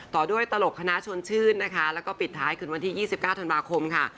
ต่อด้วยตลกคณะชวนชื่นนะคะแล้วก็ปิดท้ายคืนวันที่๒๙ธันวาคมค่ะ